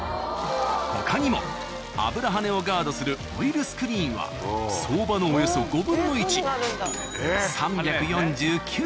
他にも油はねをガードするオイルスクリーンは相場のおよそ５分の１３４９円。